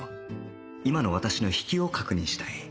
今の私の引きを確認したい